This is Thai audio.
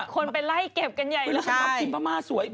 คนไปไล่เก็บกันใหญ่